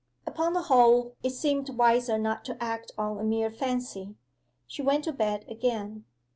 Upon the whole it seemed wiser not to act on a mere fancy. She went to bed again.